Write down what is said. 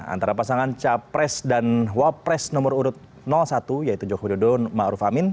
antara pasangan capres dan wapres nomor urut satu yaitu jokowi dodo ma'ruf amin